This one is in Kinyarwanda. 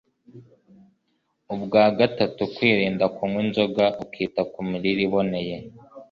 Ubwa gatatu kwirinda kunywa inzoga ukita ku mirire iboneye